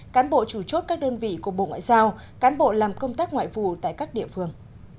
cán bộ chủ chốt các đơn vị của bộ ngoại giao cán bộ làm công tác ngoại vụ tại các địa phương